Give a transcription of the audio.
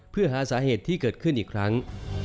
เพื่อหาสาเหตุที่เกิดขึ้นอีกครั้ง